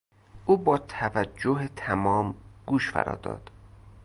او با توجه تمام گوش فرا داد.